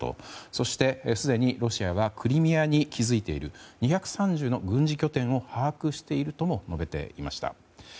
そして、すでにロシアがクリミアに築いている２３０の軍事拠点を把握しているとも述べていました。